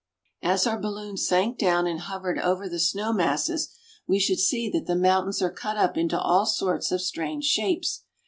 As our balloon sank down and hovered over the snow masses, we should see that the mountains are cut up into all sorts of strange shapes.